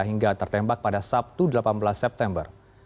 hingga tertembak pada sabtu delapan belas september